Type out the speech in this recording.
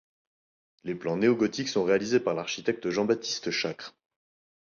Les plans néo-gothiques sont réalisés par l'architecte Jean-Baptiste Schacre.